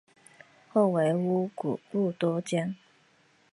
后为乌古部都监。